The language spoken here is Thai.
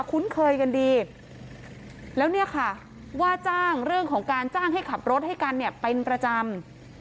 คุ้นเคยกันดีแล้วเนี่ยค่ะว่าจ้างเรื่องของการจ้างให้ขับรถให้กันเนี่ยเป็นประจำ